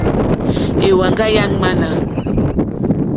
Èwànâ yà ŋwánà.